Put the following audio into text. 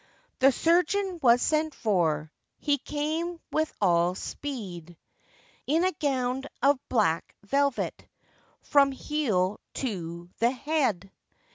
The surgeon was sent for, He came with all speed, In a gownd of black velvet From heel to the head.